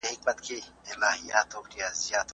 په جهاد کي د اخلاص نیت ډېر پکار دی.